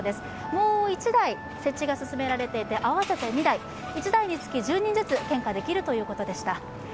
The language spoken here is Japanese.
もう１台設置が進められていて、合わせて２台、１台につき１０人ずつ献花できるということでした。